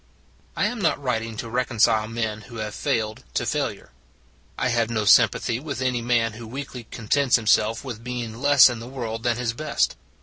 I am not writing to reconcile men who have failed, to failure; I have no sympathy with any man who weakly contents himself with being less in the world than his best.